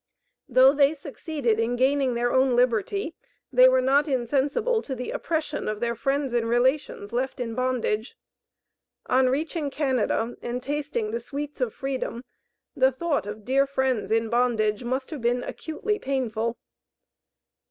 Though they succeeded in gaining their own liberty they were not insensible to the oppression of their friends and relatives left in bondage. On reaching Canada and tasting the sweets of freedom, the thought of dear friends in bondage must have been acutely painful.